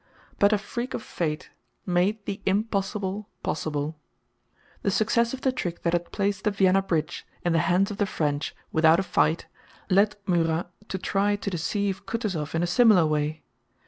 But a freak of fate made the impossible possible. The success of the trick that had placed the Vienna bridge in the hands of the French without a fight led Murat to try to deceive Kutúzov in a similar way.